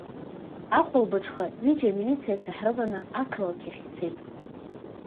Ахәылбыҽха, ҩыџьа амилициацәа ҳрыманы, ақалақь ахь ицеит.